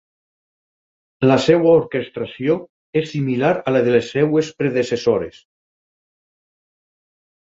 La seva orquestració és similar a la de les seves predecessores.